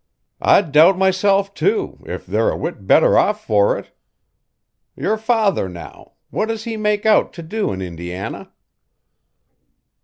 I doubt myself, too, if they're a whit better off for it. Your father now what does he make out to do in Indiana?"